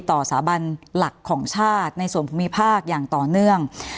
สาบันหลักของชาติในส่วนภูมิภาคอย่างต่อเนื่อง